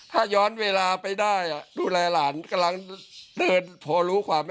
ถ้าย้อนเวลาไปได้ดูแลหลานกำลังเดินพอรู้ความ